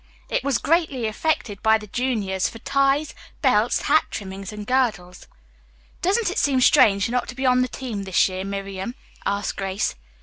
It was greatly affected by the juniors for ties, belts, hat trimmings and girdles. "Doesn't it seem strange not to be on the team this year, Miriam?" asked Grace.